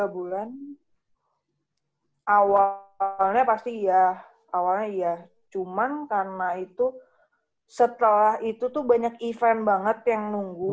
tiga bulan awalnya pasti ya awalnya ya cuman karena itu setelah itu tuh banyak event banget yang nunggu